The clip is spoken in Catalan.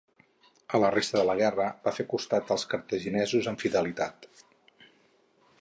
A la resta de la guerra va fer costat als cartaginesos amb fidelitat.